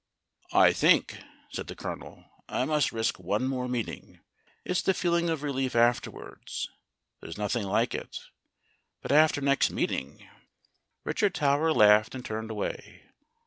"I think," said the Colonel, "I must risk one more meeting. It's the feeling of relief afterwards there's nothing like it. But after next meeting " Richard Tower laughed and turned away.